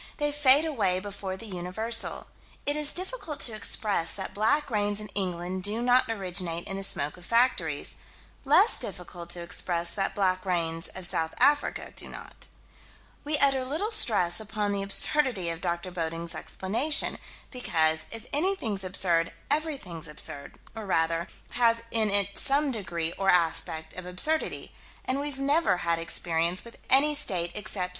They fade away before the universal. It is difficult to express that black rains in England do not originate in the smoke of factories less difficult to express that black rains of South Africa do not. We utter little stress upon the absurdity of Dr. Bedding's explanation, because, if anything's absurd everything's absurd, or, rather, has in it some degree or aspect of absurdity, and we've never had experience with any state except something somewhere between ultimate absurdity and final reasonableness.